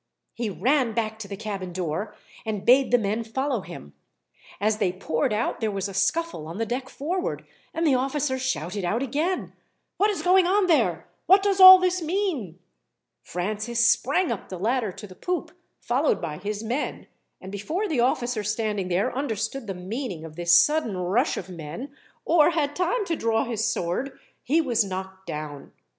He ran back to the cabin door, and bade the men follow him. As they poured out there was a scuffle on the deck forward, and the officer shouted out again: "What is going on there? What does all this mean?" Francis sprang up the ladder to the poop, followed by his men, and before the officer standing there understood the meaning of this sudden rush of men, or had time to draw his sword, he was knocked down.